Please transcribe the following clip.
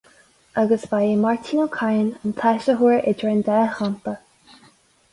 Agus ba é Máirtín Ó Cadhain an t-áisitheoir idir an dá champa.